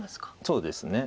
そうですね。